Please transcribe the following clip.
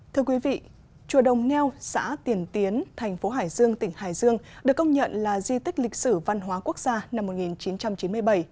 thưa quý vị chùa đồng neo xã tiền tiến thành phố hải dương tỉnh hải dương được công nhận là di tích lịch sử văn hóa quốc gia năm một nghìn chín trăm chín mươi bảy